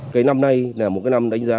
cái năm nay là một cái năm đánh giá